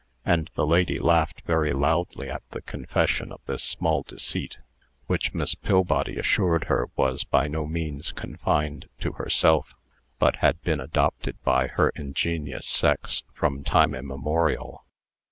And the lady laughed very loudly at the confession of this small deceit, which Miss Pillbody assured her was by no means confined to herself, but had been adopted by her ingenious sex from time immemorial.